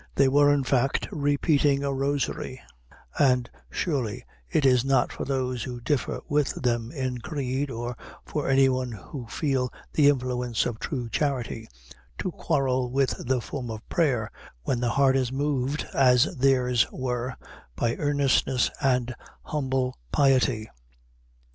They were, in fact, repeating a Rosary, and surely, it is not for those who differ with them in creed, or for any one who feel the influence of true charity, to quarrel with the form of prayer, when the heart is moved as theirs were, by earnestness and humble piety.